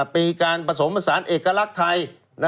เป็นอาการผสมสารเอกลักษณ์ไทย